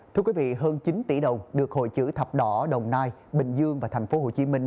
thưa quý vị hơn chín tỷ đồng được hội chữ thạp đỏ đồng nai bình dương và thành phố hồ chí minh